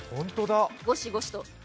ゴシゴシと。